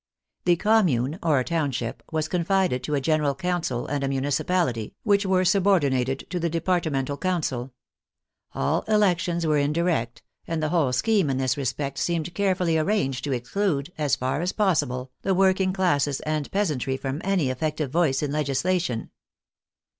The commune, or township, was confided to a general coun cil and a municipality, which were subordinated to the de partmental council. All elections were indirect, and the whole scheme in this respect seemed carefully arranged to exclude, as far as possible, the working classes and peasantry from any effective voice in legislation.